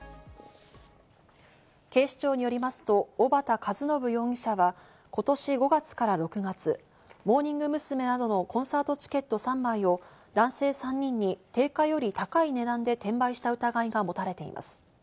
警視庁によりますと、小幡和伸容疑者は今年５月から６月、モーニング娘。などのコンサートチケット３枚を男性３人に定価より高い値段で転売した疑いが持たれています。